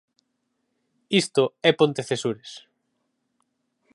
Isto é Pontecesures.